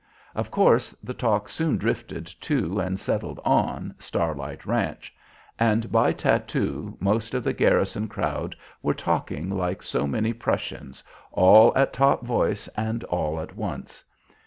Of course the talk soon drifted to and settled on "Starlight Ranch," and by tattoo most of the garrison crowd were talking like so many Prussians, all at top voice and all at once.